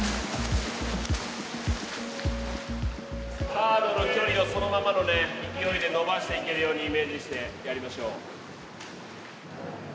ハードの距離をそのままのね勢いで延ばしていけるようにイメージしてやりましょう。